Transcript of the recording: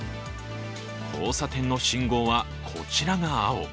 交差点の信号はこちらが青。